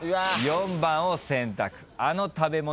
４番を選択。